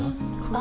あ！